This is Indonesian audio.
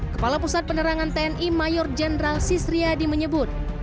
kepala pusat penerangan tni mayor jendral sisriadi menyebut